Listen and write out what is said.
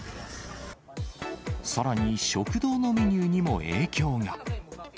さらに食堂のメニューにも影響が。